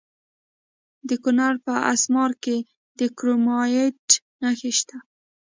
د کونړ په اسمار کې د کرومایټ نښې شته.